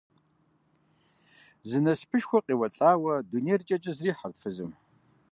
Зы насыпышхуэ къехъулӀауэ дунейр кӀэкӀэ зэрихьэрт фызым.